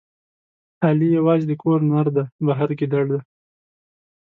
علي یوازې د کور نردی، بهر ګیدړ دی.